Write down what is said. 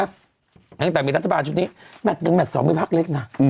ตั้งแต่มีรัฐบาลชุดนี้แมท๑แมท๒มีภักดิ์เล็กน่ะ